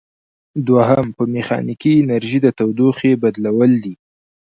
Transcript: دوهم په میخانیکي انرژي د تودوخې بدلول دي.